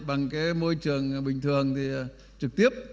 bằng môi trường bình thường trực tiếp